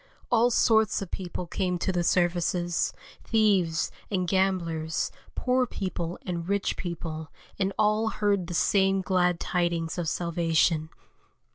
All sorts of people came to the services, thieves and gamblers, poor people and rich people, and all heard the same glad tidings of salvation.